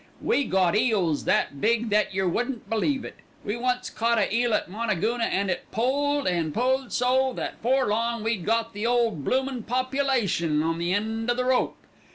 "We got eels that big that yer wouldn't believe it. We once caught a eel at Moonagoona, and it pulled an' pulled so, that 'fore long we'd got the 'ole bloomin' population on the end o' the rope.